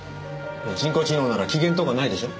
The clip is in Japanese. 人工知能なら機嫌とかないでしょ？